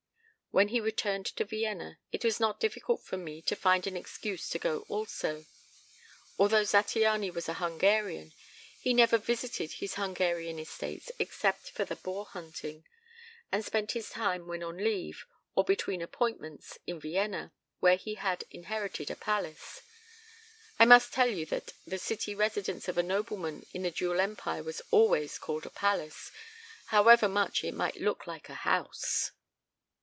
When he returned to Vienna it was not difficult for me to find an excuse to go also. Although Zattiany was a Hungarian, he never visited his Hungarian estates except for the boar hunting, and spent his time when on leave, or between appointments, in Vienna, where he had inherited a palace I must tell you that the city residence of a nobleman in the Dual Empire was always called a palace, however much it might look like a house.